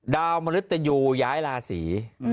ดาวมริตยูย้ายลาศรี